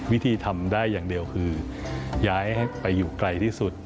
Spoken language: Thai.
วิธีทำได้อย่างเดียวคือย้ายให้ไปอยู่ไกลที่สุด